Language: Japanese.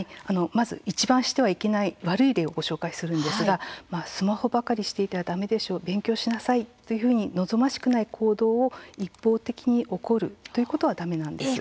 まずいちばんしてはいけない悪い例をご紹介するんですが「スマホばかりしていたらダメでしょう宿題しなさい」というふうに望ましくない行動を一方的に怒るということはダメなんです。